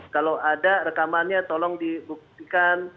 kalau ada rekamannya tolong dibuktikan